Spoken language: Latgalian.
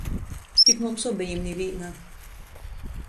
Tik mums obejim nivīna.